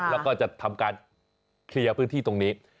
แล้วก็จะทำการเคลียร์พื้นที่ตรงนี้